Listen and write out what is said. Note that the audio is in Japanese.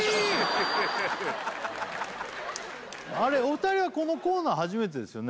あれお二人はこのコーナー初めてですよね？